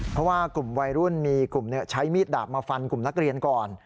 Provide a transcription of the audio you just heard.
เพราะว่ากลุ่มวัยรุ่นมีกลุ่มใช้มีดดาบมาฟันกลุ่มนักเรียนก่อน